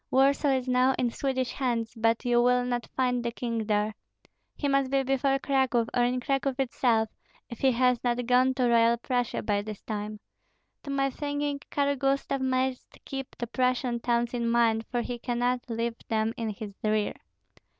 Warsaw is now in Swedish hands, but you will not find the king there. He must be before Cracow, or in Cracow itself, if he has not gone to Royal Prussia by this time. To my thinking Karl Gustav must keep the Prussian towns in mind, for he cannot leave them in his rear.